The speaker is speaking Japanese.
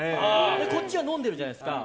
こっちは飲んでるじゃないですか。